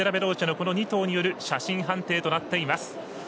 この２頭による写真判定となっています。